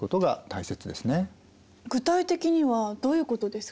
具体的にはどういうことですか？